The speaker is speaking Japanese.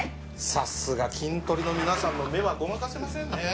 さすがキントリの皆さんの目はごまかせませんね。